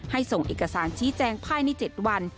ส่งเอกสารชี้แจงภายใน๗วัน